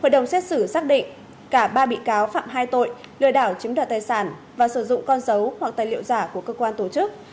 hội đồng xét xử xác định cả ba bị cáo phạm hai tội lừa đảo chiếm đoạt tài sản và sử dụng con dấu hoặc tài liệu giả của cơ quan tổ chức